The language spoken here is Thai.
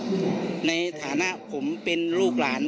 ของหลวงพระคูณในฐานะผมเป็นลูกหลาน